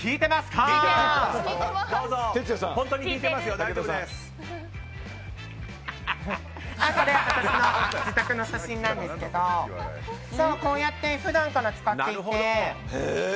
これ、私の自宅の写真なんですけどこうやって普段から使っていて。